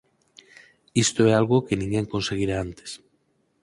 Isto é algo que ninguén conseguira antes.